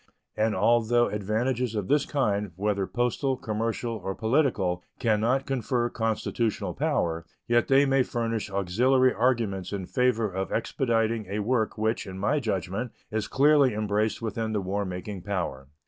And although advantages of this kind, whether postal, commercial, or political, can not confer constitutional power, yet they may furnish auxiliary arguments in favor of expediting a work which, in my judgment, is clearly embraced within the war making power.